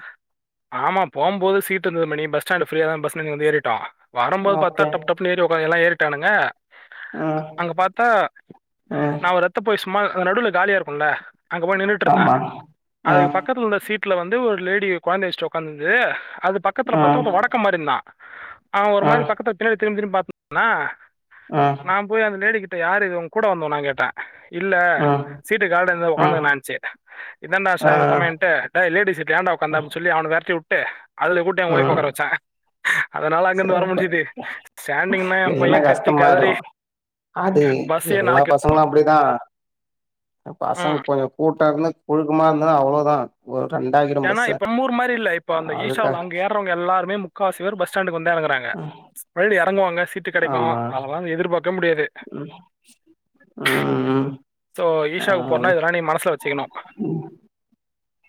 திரு மணி பஸ்டாண்டு ஃபீரியா தா பஸ்ல நின்னு ஏறிட்டோ வரம்போது பாத்தா ஓகே டப் டப்னு ஏறி ஒக்காந்க்கெல்லா ஏறி ட்டானுங்க ம் அங்க பாத்தா ம் நா ஒரு ரத்த போய்ஸ் ம்மா நடுவுல காலியா இருக்குல்ல அங்க போய் நின்னுட்டு இருந்த ஆமா அதுக்கு ம் பக்கத்துல உள்ள சீட் ட்ல வந்து ஒரு லேடி கொழந்தைய வச்சுட்டு ஒக்காந்துருந்தது அது பக்கத்துல பாத்தா ம் ஒர்த வடக்க மாரி இருந்தா ஆ ஒரு மாறி ம் பக்கத்து திரும்பி திரும்பி பாத்துட் [inaudible] ணா ம் நா போய் அந்த லோடிகிட் யாரு இது உங்க கூட வந்தவனானு கேட்டே இல்ல ம் சீட்டு காலிந்து ம் ஒக்காந்துகுநன்சீ இதண்டா ஆ சாமி சமயன்டு டேய் லேடிஸ் சீட்ல ஏண்டா ஓக்காந்த அப்டி சொல்லி அவன வெரட்டி ந்து அல்லு கூப்டு எ ஒய்ஃப்ப ம் ஒக்கார வச்சாசங்ங அதனால அங்கிருந்து வர முஞ்சிது என்ன கஷ்டமாயிடு கதறி அது பஸ்ஸே எல்லா நாளைக்கு பசங்களு அப்புடிதா இந்த பசங்க ம் கொஞ்சொ கூட்டொ இருந்து புழுக்கமா இருந்தா அவ்ளோதா ஒரு ரெண்டாக்கிடு ஏன்னா பஸ்ஸ இப்ப நம்மூர் மாரி இல்ல இப்ப அந்த அதுக்கா ஈஷாவ்ல அங்க ஏறவங்க எல்லாருமே முக்காவாசி பேர் பஸ்ஸாண்டக்கு வந் டறங்குறாங்க ம் மெலடி யார் தங்குவாங்க சீட்டு கடைக்கு ஆமா அவ்ங்கலா அத எதுர்பாக் ம் ம் ம் ஸோ ஆ ஈஷாவுக்கு ம் போறனா இதெல்லாம் நீ மனசில் வச்சுக்கணும்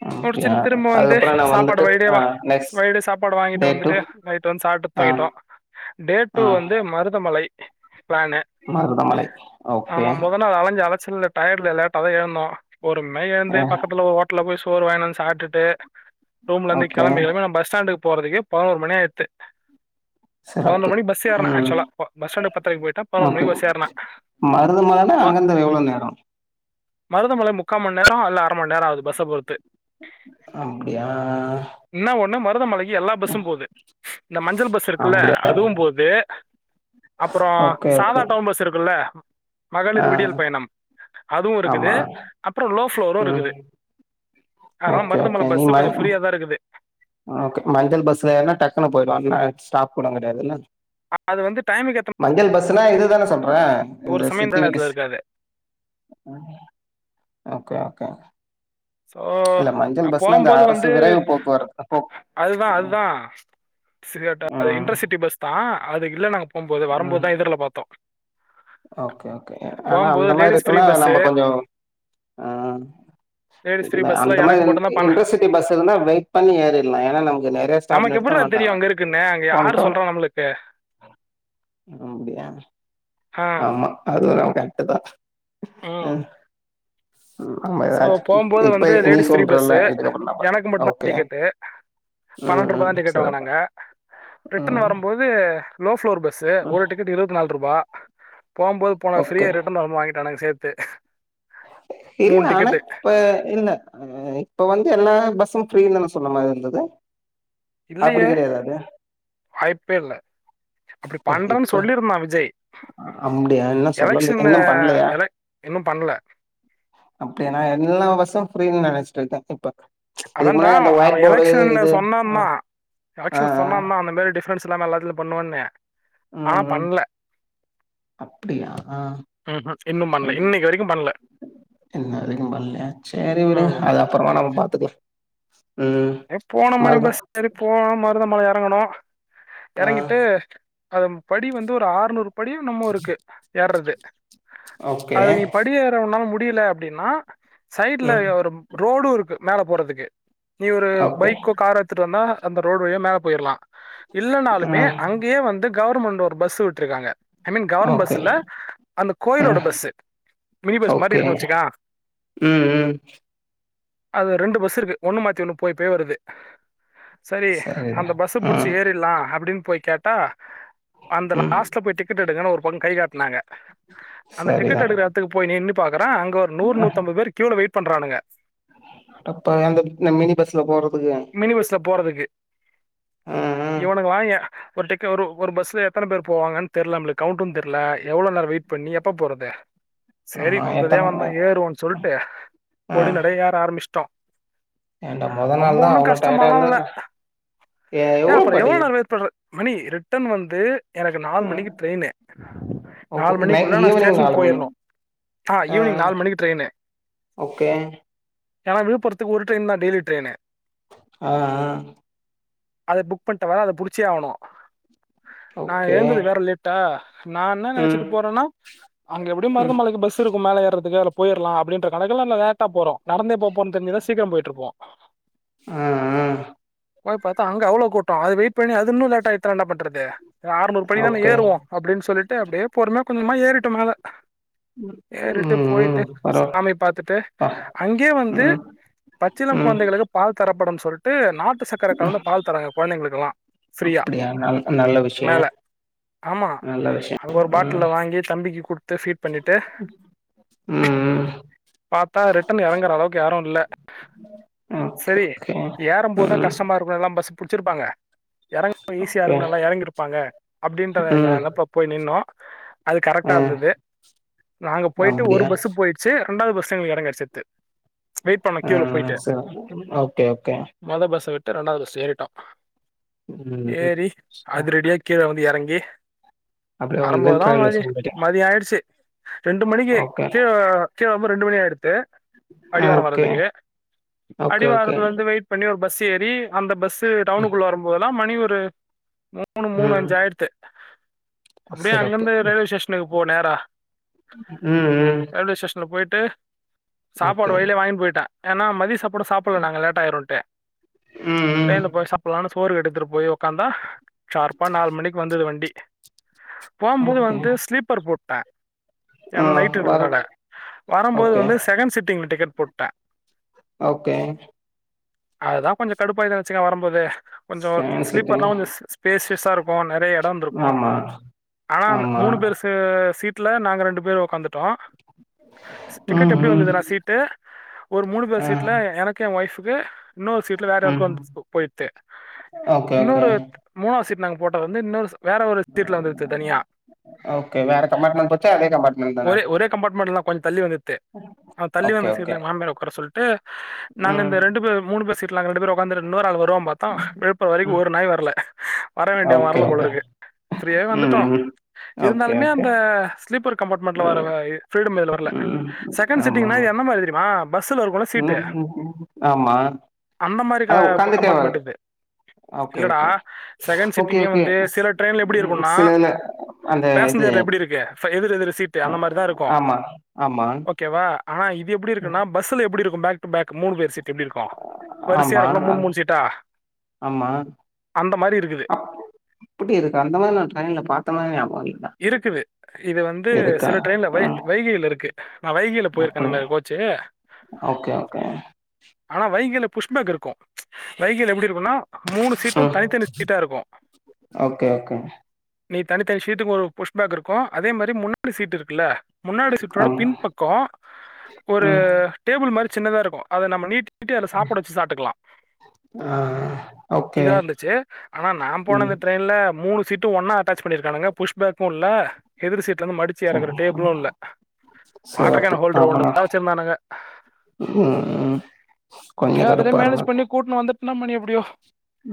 அ அப்டியா முடிச்சுட்டு திரும்ப வந்து அதுக்கப்புறோ நா சாப்பாடு வந்துட்டு வழிலே ஆ வா நெக்ஸ்ட் வழில சாப்பாடு வாங்கிட்டு டே டூ வந்துடு நைட்டு வந்து சாப்டு ஆ தூங்கிட்டோ டே டூ ஆ வந்து மருதமலை ப்ளேனு மருதமலை ஓகே ஆமா மொத நாள் அலஞ்ச அலச்சல்ல டய்ட்ல லேட்டதா எழுந்தோ பொறுமையா ஏந்து ஆ பக்கத்துல ஓட்டல போய் சோறு வாங்கின்ட் வந்ட் சாப்ட்டுட் டே ரூம்ல இந்து ஓகே கிளம்பி களம்பி க நம் பஸ் ஸ்டாண்டுக் போறதுக்கே பதுனோரு மணி ஆய்த்து பதினொரு சிறப்பு மணிக் பஸ் ஏற்ன ம் ஆக்சுவலா பஸ் ஸ்டாண்டு பத்திரக்கு போயிட்டா பதினொரு மணி ஓகே பஸ் ஏற்ன மருதமலனா ப அங்கருந்து எவ்ளோ நேரோ மருதமலை முக்காம நேரோ அல்ல அர மணி நேர ஆவுது பஸ்ஸ பொறுத்து அப்டியா மருதமலை எல்லா பஸ்ஸும் போது இந்த மஞ்சள் பஸ் இருக்குல்ல அப்டியா அதுவு போது அப்புறோ ஓகே சாதா ஓகே டவுன் பஸ் இருக்குல்ல ஆ மகளிர் விடியல் பயணம் அதுவு இருக்குது ஆமா அப்புறோ லோஃப்ளோரு ம் இருக்குது ஓகே ல்ல நீ பஸ்சு ம கொஞ்ச ஃப்ரீயாதா இருக்குது ஓகே மஞ்சள் பஸ்ல ஏர்னா டக்குனு போயிடுலாம்ல ஸ்டாப் கூட கெடையாதுல்ல அது வந்து டைமுக்கு ஏற்ற மஞ்சள் பஸ்னா இதுதானே சொல்ற இந்த ஒரு சமயம் நேரத்தில் சிட்டிவிட்டிஸ் இருக்காது ம் ஓகே ஓகே சோ இல்ல நா மஞ்சள் பஸ்னா இந்த போம்போது அரசு வந்து விரைவு போக்குவரத்து போ அதுதா அதுதா ச ம் இன்டர்சிட்டி பஸ் தா அதுக்கு இல்ல ந போம்போது ம் வரும்போதுதா எதுர்ல பார்த்தோ ஓகே ஓகே ஆனா அந்த மாதிரி லேடிஸ் ஃப்ரீ இருக்குன்னா பஸ் நம்ம கொஞ்சோ ம் லேடிஸ் ஃப்ரீ பஸ்ல அந்த மாரி எனக்கு இ மட்டும்தான் பண்ண இன்டரசிட்டி பஸ் இருந்தா வெயிட் பண்ணி ஏரிலா ஏன்னா நமக்கு நெறயா ஸ்டாப் நமக்கு எப்படி தெரியும் நிறுத்தமாட்டாங்க அங்க இருக்குன்னு அங்க ஒன் யார் டம் சொல்றா நம்மளுக்கு அப்டியா ஆமா அது ந கரட்டுதா ஆ நம்ம சோ ஏதாச்சு போகும்போது இப்ப வந்து நீ லேடிஸ் ஃப்ரீ சொல்றல்ல பஸ்ஸு இதுக்கப்புறோ நா எனக்கு பாத்து மட்டுந்தா ஓகே டிக்கெட்டு ம் பன்னெண்டு ரூபா ம் தா டிக்கெட் சிறப்பு வாங்கனாங்க ரிட்டன் ம் வரும்போது ப்ளோர் பஸ்ஸு ம் ஒரு டிக்கெட் இருபத்நாலு ரூபா போம்போது போன ஃபிரியா ஓகே ரிட்டர்ன் வரும்போது வாங்கிடானங்க சேத்து த்து [unintelligible] இல்ல ஆனா இப்ப இல்ல ஆ இப்ப வந்து எல்லா பஸ்ஸும் ஃப்ரீனு தா சொன்ன மாரி இருந்தது அப்டி இல்லையே கெடையது அது வாய்ப்பே இல்லை அப்படி பண்றேன்னு இப்ப சொல்லியிருந்தான் விஜய் அப்டியா இன்னு சொல்லல எலெக்ஷன் இன்னு பண்ணலையா எலெக் இன்னும் பண்ணல அப்டியானா எல்லா பசு ஃப்ரீனு நெனச்சிட்ருக்க இப்ப இதுக்கு அதான்டா முன்னே இந்த ஒயிட் அவன் போர்டு எலெக்ஷன்ல இது சொன்னான் அ தான் எலெக்ஷன்ல சொன்னா தா அந்த மேரி டிஃப்ரன்ஸ்ல்லா எல்லாத்துலயு பண்ணுவன்னு ஆ ம் ஆனா ம் பண்ல அப்டியா அ இன்னும் பண்ணல இன்னைக்கு வரைக்கும் பண்ணல எல்லாரிக்கு பண்ல சேரி விடுங் ம். அது அப்றமா நம்ம பாத்துக்லா ஏ போன மணி பஸ் சேரி போலாம் மருதமல யா றங்கணு ஆ எறங்கிட்டு அதம் படி வந்து ஒரு ஆர்நூறு படியு என்னமோருக்கு ஏர்றது ஓகே அதுகு படி ஏறவேன்னால் முட் முடில அப்டின்னா ம் சைட்லயு ஒரு ரோடுருக்கு மேல போறதுக்கு நீ ஒரு ஓகே பைக்கோ காரோ எத்துட்டு வந்தா அந்த ரோடு வழியா மேல போயிர்லா இல்லனாலுமே ஆ அங்யே வந்து கவர்மெண்டு ஒரு பஸ்சு வுட்ருகாங்க I mean government bus okay இல்ல அந்த ஆ கோயிலோட பஸ்சு மினி பஸ் மாரி ஓகே இருக்ணு வச்சுக்க ம் ம் அது ரெண்டு பஸ்சு இருக்கு ஒண்ணு மாத் திணு போய் போய் வருது சரி சரிடா அந்த பஸ்ஸ ஆ புட்ச்சி ஏறிர்லா அப்டின் போய் கேட்டா அந்த ம் லாஸ்ட்ல போய் டிக்கெட் எடுங்கனு ஒரு பொண் கை காட்னாங்க அந்த சரிதா டிக்கெட் எடுக்ற எடத்துக்கு போய் நின்னு தரோ அங்க ஒரு நூர் நூத் அம்பது பேர் கீழ வெய்ட் பண்றானுங்க அப்ப அந்த மின் மினி பஸ்ல போறத் மினி பஸ்ல போறதுக்கு ம் ம் இவனுங்க வாய்ங்க ஒரு டெக்கு ஒரு ஒரு பஸ்ஸுல எத்தன பேரு போவாங்கன் தெர்ல நம்ளுக் கவுட்டுன் தெர்ல எவ்ளோ நேர வெயிட் பண்ணி எப்ப போறது சேரி ஆமா வந்ததே எத்தன மண் வந்தோ நேர ஏறுவோன் சொல்ட்டு பொடி நடைய ஏற ஆரபிஷ்ட்டோ வேண்டா ரொம்ப ஓன்னும் கஷ்டமாலாம் இல்ல எ ஏ எவ்ளோ அப்புறம் படி எவ்ளோவு நேரம் வெயிட் பன்றது மணி ரிட்டன் வந் து எனக்கு நாலு ம் மணிக்கு ட்ரெயினு ஓ நாலு நைட் மணிக்குள்ளே நான் ஈவினிங் ஸ்டேஷனுக்கு நாலு மணி போயிடணும் ஆஹ் ஆ ஈவினிங் நாலு மணிக்கு ட்ரெயினு ஓகே ஏனா விழுப்புரத்துக்கு ஒரு ட்ரெயின் தா டெய்லி ட்ரெயினு ஆஹ் ஆஹ் அத புக் பண்ணிட்டவா அத புடிச்சே ஆகணும் நா ஓகே ஏழுந்தது வேற லேட்டா நா என்ன ம் நினைச்சிட்டு போறேன்னா அங்க எப்படியும் ம் மருதமலைக்கு பஸ் இருக்கும் மேல ஏறுதுக்கு போயிர்லா அப்டின்ற கணக்கல்லான்ன லேட்டா போறோ நடந்தே போபோனு தெரிஞ்சிருந்தா சீக்கிரம் போயிட்டு இருப்போம் அஹ் அஹ் போய் பாத்தா அங்க அவ்ளோ கூட்டோ அது வெய் அப்ப என்ன அது இன்னும் லேட் ஆயிட்டுனா என்ன பன்றது ஆ அறுநூறுபடி தான ஓகே ஏறுவோம் அப்டினு சொல்லிட்டு அப்டியே பொறுமயா கொஞ்ச கொஞ்சமா ஏ வீட்டு மேல ஏறிட்டு ம் போயிட்டு ம் பரவா சாமி பாத்துட்டு அங்யே வந்து ம் பச்சிளம் ம் குழந்தைகளுக்கு தரப்படுன் சொல்ட்டு நா நாட்டுச்சக்கர ம் கலந்த பால் தராங்க குழந்தைங்களுக்குல்லா ஃபீரியா அப்டியா நல் நல்ல விஷயோ மேல ஆமா நல்ல விஷயோ அங்க ஒரு பாட்டில்ல ம் வாங்கி தம்பிக்கி குடுத்து ஃபீட் பண்ணிட்டு ம் ம் பாத்தா ரிட்டன் எறங்குற அளவுக்கு யாரு இல்ல, ஓகே சேரி ஓகே ஏறும்போதுதா ம் கஷ்டமா இருக்குனு எல்லா பஸ் புடிச்சிருப்பாங்க எறங்க ரொம்ப ஈஸியா ஓகே இருக்குனு எல்லா எறங்கிருப்பாங்க அப்டின்ற ம் நெனப்புல போய் நின்னோ அது கரெக்டா ஆ இருந்தது நாங்க போயிட்டு ஒரு அப்டியா பஸ்ஸு போயிடுச்சி ரெண்டாவது பஸ்ல எங்களுக்கு எடம் கெடச்சிருத்து ஆ சரி ஓகே ஓகே ட்ட ரெண்டாவது பஸ் ஏறிட்டோ ம் ம் ஏறி அதுரடியா கீழ வந்து எறங்கி ஏ அப்டியே ஒடனே வரம்போதுதான் ட்ரையல் மதி வச்சுட்டு போய்ட்டே மதிய ஆயிடுச்சி ரெண்டு மணிக்கி ஓகே கீழ கீழ வரும்போ ரெண்டு மணி ஆயிடுத்து ஆ அடிவார ஓகே வர்றதுக்கு ஓகே ஓகே அடிவாரத்துல வந்து வெயிட் பண்ணி ஒரு பஸ் சேரி அந்த பஸ் [unintelligible] ம் டவுனுக்குள்ள வரும்போதல்லா எல்லா மணி ஒரு மூணு மூணு ம் அஞ்சு ஆய்டுத்து அப்டியே சிறப்பு அங்கருந்து ரயில்வே ஸ்டேஷனுக்கு போ நேரா ம், ம் பொய்ட்டு சாப்பாடு ஓகே வயிலே வாங்கின் பொயிட்டே ஏன்னா மதிய சாப் பாடு சாப்புல்ல நாங்க லேட் ஆயிருன்ட்டு ம் ம் ட்ரெயின்ல போய் சாப்புல்லான்னு சொ போருவ எடுத்துட்டு போய் உக்காந்தா ஷார்பா நால் மணிக்கு வந்துது வண்டி போம்போது ஓகே வந்து ஸ்லீப்பர் போட் த ஆ ஏன்னா வர நைட்டுன்றதுனால வரம்போது ஓகே வந்து செகண்ட் சிட்டி ங்ல டிக்கெட் போட்ட ஓகே அதான் கொஞ்சம் கடுப்பாய்ட்டன் வச்சுக்கேன் வரம் போது கொஞ்சம் செவன் சிட்டிங் ஸ்லீப்பர்ல்லாம் கொஞ்சம் ஸ் ஸ் ஸ்பேசியஸா இருக்கும் நெறைய இடம் இருந்திருக்கும் ஆமா ஆனா அந்த ஆமா மூணு பேரு ஸி சீட் ட்ல நாங்க ரெண்டு பேர் ஒக்காந்துட்டோம் ஸ் டிக்கெட் ம் எப்டி ம் வந்தது நா சீட்டு ஒரு மூணு பேர் ஆ சீட்ல எனக்கு ஏ ஒய்ஃப் [unintelligible] இன்னொரு சீட்ல வேற யாருக்கோ ம் வந்து போயித்து ஓகே ஓகே இன்னொரு மூணாவ் சீட் நாங்க போட்டது வந்து இன்னொரு ச ஓகே வேற கம்பார்ட்மெண்ட் போச்சா அதே கம்பார்ட்மெண்ட் தானா [unintelligible] கொஞ்ச தள்ளி வந்துது தள்ளி வந்த ஓகே சீட்ல ஓகே எங்க மாமியார ஒக்கார சொல்ட்டு நாங்க இந்த ம் ரெண்டு பேர் மூணு பேர் சீட்டு ல நாங்க ரெண்டு பேரும் ஒக்காந்துரு இன்னொரு ஆளு வரும் வருவாம் பாத்தா விழுப்புரம் வரைக்கும் ம் ஒரு நாய் வரல வர வேண்டிய ஓகே ஓகே வரலபோலருக்கு ஃப்ரீயாவே ம் வந்துட்டோம் ம் ஓகே இருந்தாலுமே ஓகே அந்த ஸ்லீப்பர் கம்பார்ட்மெண்ட்ல வர ம் ஃபீரீடம் இதுல வரல ம் சகண்ட் ஆமா ஆமா சி்ட்டிங்னா என்ன மாதிரி தெரிமா ஆம் பஸ்ஸுல இருக்குல சீட்டு ம் ம் ம் ஆமா அந்த மாரி க அதா உக்காந்துட்டே வரு கம்பார்ட்மெண்ட் இது ஓகே இல்லடா ஓகே செகண்ட் ஓகே சீட்டிங்கே ஓகே வந்து சில ட்ரெயின்ல எப்டி ம் இருக்குனா சிலதுல அந்த இது பேசஞ்சர்ல எப்டி இருக்கு ஃப எதிர் எதிர் சீட்டு அ, அந்த மாரி தான் இருக்கு ஆமா ஆமா ஓகேவா ஆனா இது எப்டி இருக்குன்னா பஸ்ஸுல எப்டி இருக்கு பேக் டு பேக் மூணு பேர் சீ்ட்டு எப்டி இருக்கும் வரிசையா ஆமா இருக்கும்ல அ மூணு மூணு சீட்டா ஆமா அந்த மாதிரி இருக்குது அப் அப்டி இருக்கா அந்த மாரி நான் ட்ரெயின்ல பாத்தமாரி நியாப இருக்குது இது வந்து இருக்கா சில ட்ரெயின்ல வை ம் வைகில இருக்கு நான் வைகில போயிருக்கேன் இந்த அப்படி மாரி கோச்சு ஓகே ஓகே ஆனா வைகில புஷ்பேக் இருக்கு ச் வைகில எப்டி இருக்குனா மூணு ம் சீட்டும் தனித்தனி சீட்டா இருக்கு ஓகே ஓகே நீ தனித்தனி சீ சீட்டுக்கு ஒரு புஷ்பேக் இருக்கு அதே மாரி முன்னாடி சீட் இருக்குல முன்னாடி சீட்டோட ஆமா பின் பக்கோ ஒரு ம் டேபிள் மாரி சின்னதா இருக்கு அத நம்ம நீட் டி அதுல சாப்பாடு வச்சு சாப்ட்டுக்கலா ஆ ஓகே இதா இருந்துச்சு ஆனா நா போன ம் இந்த ட்ரெய்ன்ல மூணு சீட்டு ஒன்னா அட்டாச் பண்ணி இருக்கானுங்க புஷ்பேக்கும் இல்ல எதிர்சிட் லருந்து மடிச்சி எறக்குற டேபுலும் இல்ல வாட்டர் சிறப்பு கேன் ஹோல்டர் ஒன்னு ஆமாண்ணா தா வெச்சிருந்தானுங்க ம் கொஞ்சோ அப்டியே அதுலயே கடுப்பா மேனேஜ் இருந்தது பண்ணி கூட்டினு வந்துட் இன்னாமா நீ எப்டியோ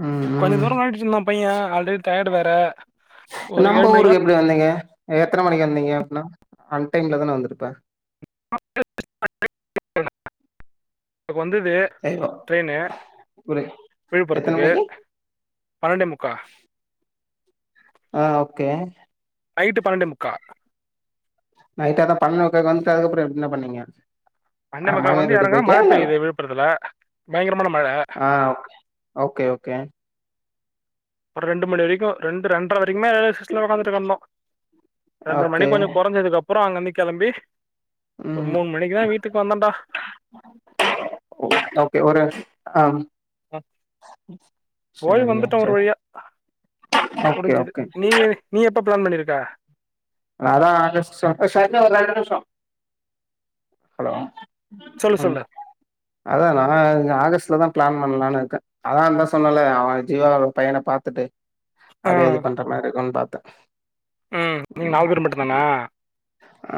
ம் கொஞ்சோ ம் தூரோ [unintelligible] இருந்தா பையே ஆல்ரெடி டயர்டு வேற த ஒரே நம்ப ஊருக்கு எப்டி வந்தீங்க க எத்தன மணிக்கு வந்தீங்க அப்பனா அன் டைம்ல தானே வந்திருப்பே [inaudible] இப்ப வந்தது ஐயோ ட்ரெயினு புரி எத்தன விழுப்புரத்துக்கு மணிக்கு பன்னெண்டே முக்கா ஆ ஓகே நைட்டு பன்னெண்டே முக்கா நைட் அதான் பன்னெண்டே முக்காக்கு வந்துட்டு அதுக்கப்புறம் என்ன பண்ணீங்க பன்னெண்டே ஆ முக்காலுக்கு மாமியார் வந்து வீட்டுக்கு எறங்குறோ மழ போயிட்டியா இல்ல பெய்யுது விழுப்புரத்துல பயங்கரமான மழ ஆ ஓகே ஓகே அப்றோ ரெண்டு மணி வரைக்கும் ரெண்டு ரெண்டரை வரைக்குமே ரயில்வே ஸ்டேஷன்ல ஒக்காந்துட்டு கெடந்தோம் ரெண்ர ஓகே மணிக்கு கொஞ்சோ கொறஞ்சதுக்கு அப்புறோ அங்கந்து கெளம்பி ஒரு ம் மூணு மணிக்குதா வீட்டுக்கு வந்தேன்டா ஓகே ஒரு ஆ போய் சரியா வந்துட்டோம் ஒரு சரி வழியா ஓகே முடிஞ்சிது ஓகே நீ நீ எப் எப்ப பிளான் பண்ணியிருக்க. அதான் ஆகஸ்ட் சொன் ஹலோ சொல்லு உம் சொல்லு அதான் நா இந்த ஆகஸ்ட் டுல தான் பிளான் பண்லாம்னு இருக்கேன் அதான் அதான் சொன்னல்ல அவ ஜீவான் ஒரு பையன பாத்துட்டு ஆ அப்டியே இது பண்ற மாரி இருக்கோன் பாத் ம் நீங்க நாலு பேர் மட்டும் தானா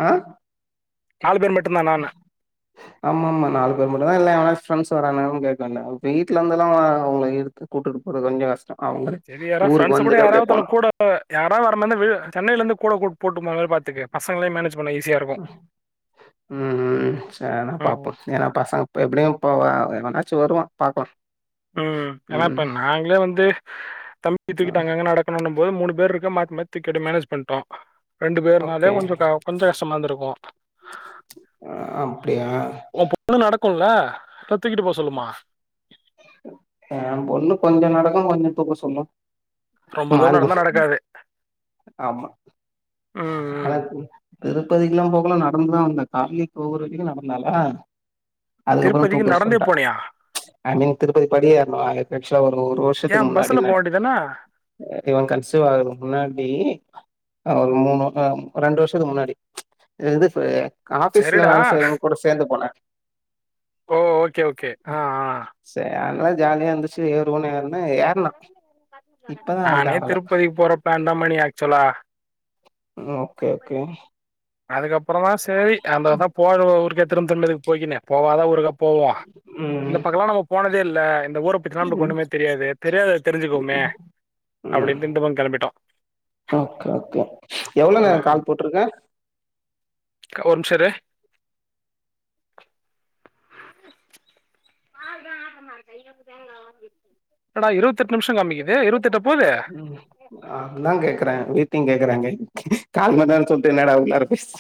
ஆஹ மட்டும்தானான்ன ஆமா ஆமா நாலு பேர் மட்டும் தான் இல்லனா எவனாது ஃப்ரெண்ட்ஸ் ஃப்ரெண்ட்ஸ் வரானுங்களானு கேக்க வந்தே வீட்டுல இருந்துல்லாம் அவுங்கள இழுத்து கூட்டிட்டு போறது கொஞ்சோ கஷ்டோ அவங்களே சேரி யாராவது ஊருக்கு ஃப்ரெண்ட்ஸ் கூட வந்துட்டு அப்டியே யாராவது தன்ன போனு கூட யாராவது வாரா மாரி இந்தா வீ சென்னையில இருந்து கூட கூட் பூட்டுபோதே பாத்துக்க பசங்களையு மேனேஜ் பண்ண ஈஸியா இருக்கு ம்ம் சேர்னா ம் பாப்பு ஏன்னா பசங்க எப்டியு போவ வெ வனாச்சு வருவா பாக்லா ம் எனா இப்ப நாங்ளே வந்து தம்பி துக்கிட்டு ம் அங்கங்க நடக்கணு பொது மூணு பேர் இருக்க மாத் மாத்தி துக்கி அடே மேனேஜ் பண்ட்டோ ரெண்டு ஓகே பேர்னாலே கொஞ்ச கொஞ்ச கஷ்டமா இருந்துருக்கு அ அப்டியா ஒ பொண்ணு நட ற்க்குல்ல இல்ல தூக்கிட்டு போ சொல்லுமா ஏ பொண்ணு கொஞ்ச நடக்கு கொஞ்ச தூக்க சொல்லு ரொம்ப தூரோ மாரி புள்ள நடந்தா நடக்காது ஆமா ம் ம் அழாதுபுள் திருப்பதிக்குல்லா போகுன நடந்துதா வந்த கால்யே தூங்குற வரிக்கு நடந்தால திருப்பதிக்கு நடந்தே போனியா ஆ மீ திருப்பதி படி ஏற்ணோ ஆலே பெட்றோ ஒ ஒரு ஏ வர்ஷத்துக்கு முன்னாடி பஸ்ல போ நென வேண்டியதான இவ கன்சிவ் ஆவற்துக்கு முன்னாடி அ ஒரு மூணு ரெண்டு வர்ஷத்துக்கு முன்னாடி அ இது ஃப்பு காஃபீஸ்ல சரிடா வேல செய்றவங்க கூட சேந்து போலான் ஒ ஓகே ஓகே அ அ சேர் அனால ஜால்யா இந்துச்சு ஏறுவோன் ஏற்ன் இது நானே ஆகல திருப்பதிக் போற ப்ளான் ந்தா மணி ஆக்சுலா ம் ஓகே ஓகே அதுக்கப் அப்புறந்தா சேரி அந்ததா [unintelligible] ஊருக்கே திரும் தின்னறிம் போய்கினு போவாத ஊருகா போவ்வா இந்த ம் பக்கலா நம்ம போனத் தே இல்ல இந்த ஊர பத்திலா நமளுக்கு ம் ஒன்னுமே தெரியாதே தெரியாத தெரிஞ்சுக்கோமே ம் அப்புடின்ட்டு இந்த பங் களம்பிட்டோ ஓகே ஓகே எவ்ளோ நேரோ ம் கால் போட்ருக்க க ஒர் நிம்ஷ இரு டடா இர்வத்தெட் நிம்ஷ கம்க்கிது இருவத்தெட்டப் ம் அதுதா கேக்குற வீட்டிங் கேக்குறாங்க கால்மன்னேர் சொல்ட்டு என்னாடா இவ்ள்னேர பேஸ்ச்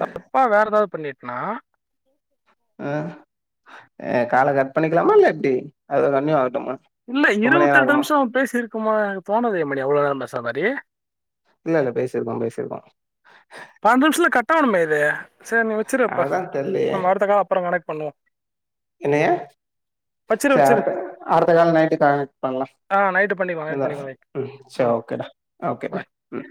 தப்பா வேற எதாவ்து பண்ணி நா அ கால கட் பண்ணிக்லாமா இல்லா எப்டி அத வென்யு வர்ட்டுமா இல்ல இருவத்தெட்டு நிமிஷ்ம் பேசிரு சுமா போன வையி மணி அவ்ளோ நேரோ பேசுன மாரி இல்ல இல்ல பேசிருக்கோ பேசிருக்கோ பன்னெண்டு நிம்ஷத்துல கட்ட ஆணுமே இது சேர் நீ வச்சுரு அப்ப அதா நாம அடுத்த கால் அப்புறோ கனெட் பண்ணுவோ என்னையா சேரி அடுத் அடுத்த கால் நைட்டு கானெக்ட் பண்லா ஆ நைட்டு பண்ணிக்கலாம் நைட் இல்ல பண்ணிக்கலாம் வை. ம் ஆ சேரி ஓகேடா ஓகே பாய் ம்